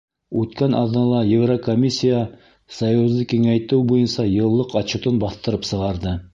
Үткән аҙнала Еврокомиссия Союзды киңәйтеү буйынса йыллыҡ отчетын баҫтырып сығарҙы.